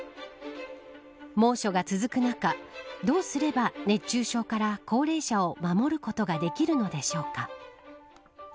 猛暑が続く中どうすれば熱中症から高齢者を守ることができるのでしょうか。